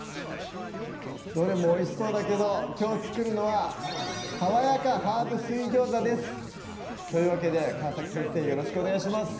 どれもおいしそうだけどきょう作るのは「さわやかハーブ水餃子」ですというわけで川先生よろしくお願いします